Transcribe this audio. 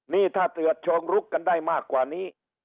นี่ถ้าตรวจเชิงลุกกันได้มากกว่านี้